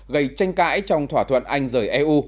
gây tranh cãi trong thỏa thuận anh eu